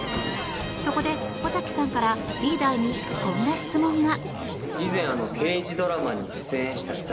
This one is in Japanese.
そこで、小瀧さんからリーダーにこんな質問が。